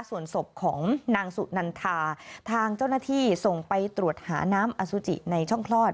ส่วนศพของนางสุนันทาทางเจ้าหน้าที่ส่งไปตรวจหาน้ำอสุจิในช่องคลอด